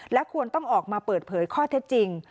และควรต้องออกมาเปิดเผยข้อเท็จจริง